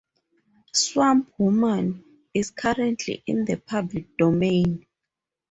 "Swamp Women" is currently in the public domain.